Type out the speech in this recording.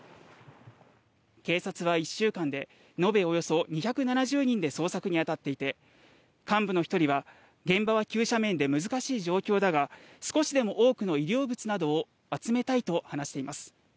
警察は１週間で述べ、およそ２７０人で捜索にあたっていて、幹部の１人は現場は急斜面で難しい状況だが、少しでも多くの遺留物などを集めたいと話しています。